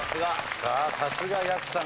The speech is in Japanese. さすがやくさん。